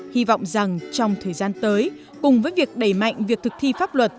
hy vọng rằng trong thời gian tới cùng với việc đẩy mạnh việc thực thi pháp luật